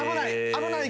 危ない。